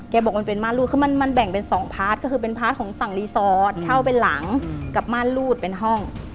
บอกมันเป็นม่านรูดคือมันแบ่งเป็น๒พาร์ทก็คือเป็นพาร์ทของฝั่งรีสอร์ทเช่าเป็นหลังกับม่านรูดเป็นห้อง